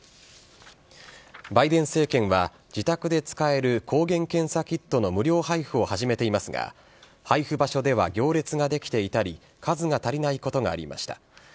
バイデン政権は、自宅で使える抗原検査キットの無料配布を始めていますが、配布場所では行列が出来ていたり、数が足りないことがありました。